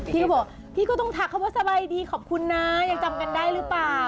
พี่ก็บอกพี่ก็ต้องทักเขาว่าอะไรดีขอบคุณนะยังจำกันได้หรือเปล่า